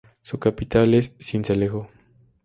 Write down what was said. Su capital es Sincelejo.